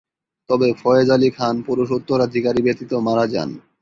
তবে ফয়েজ আলী খান পুরুষ উত্তরাধিকারী ব্যতীত মারা যান।